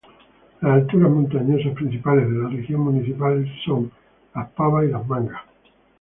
Las alturas montañosas principales de la región municipal son: Las Pavas y Las Mangas.